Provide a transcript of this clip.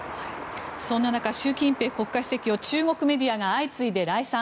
そんな中習近平国家主席を中国メディアが相次いで礼賛。